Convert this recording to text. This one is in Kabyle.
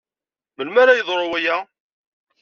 Melmi ara yeḍru waya?